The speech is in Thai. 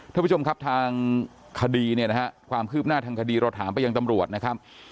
ท่านผู้ชมครับความคืบหน้าทางคดีเราถามไปยังตำรวจนะครับ